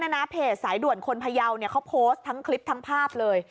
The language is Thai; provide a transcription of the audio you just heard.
แล้วภาพพวกเนี้ยนะนะเนี้ยเนี้ย